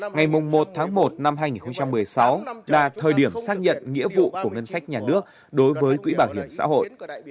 ngày một tháng một năm hai nghìn một mươi sáu là thời điểm xác nhận nghĩa vụ của ngân sách nhà nước đối với quỹ bảo hiểm xã hội